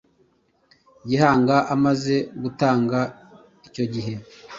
Gihanga amaze gutanga, icyogihe